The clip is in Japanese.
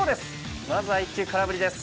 まずは１球、空振りです。